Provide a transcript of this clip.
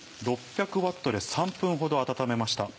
６００Ｗで３分ほど温めました。